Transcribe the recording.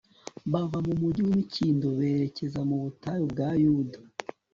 bava mu mugi w'imikindo berekeza mu butayu bwa yuda